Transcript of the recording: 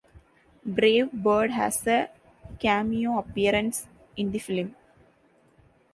Brave Bird has a cameo appearance in the film.